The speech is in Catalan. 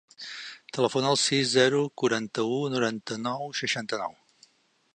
Telefona al sis, zero, quaranta-u, noranta-nou, seixanta-nou.